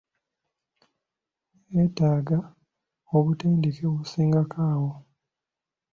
Nneetaaga obutendeke obusingako awo.